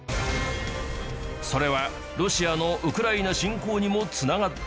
それはロシアのウクライナ侵攻にも繋がっている